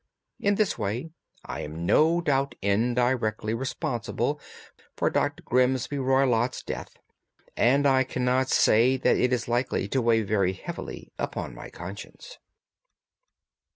In this way I am no doubt indirectly responsible for Dr. Grimesby Roylott's death, and I cannot say that it is likely to weigh very heavily upon my conscience."